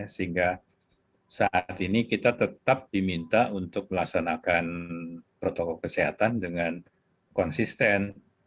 sehingga saat ini kita tetap diminta untuk melaksanakan protokol kesehatan dengan konsisten